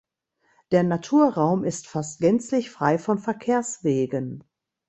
Der Naturraum ist fast gänzlich frei von Verkehrswegen.